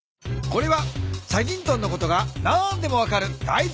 これは『チャギントン』のことが何でも分かるだい